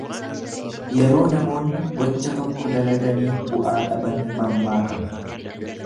Yeroo namoonni gocha tokko dalaganii bu'aa dhaban mammaakama.